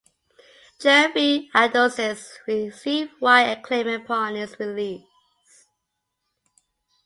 "Germfree Adolescents" received wide acclaim upon its release.